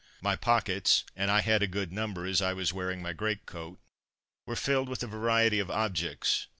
My pockets and I had a good number, as I was wearing my greatcoat were filled with a variety of objects.